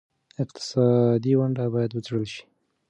اقتصادي ونډه باید وڅېړل شي.